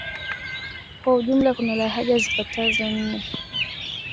Kwa ujumla kuna lahaja zipatazo nne